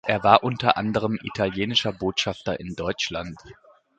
Er war unter anderem italienischer Botschafter in Deutschland.